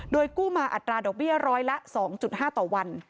โดยกู้มาอัตราดอกเบี้ยร้อยละ๒๕ต่อวัน